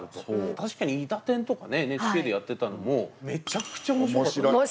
確かに「いだてん」とかＮＨＫでやってたのもめちゃくちゃ面白かった。